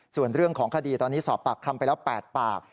ส่วนเรื่องของคดีตอนนี้สอบปากคำไปแล้ว๘ปาก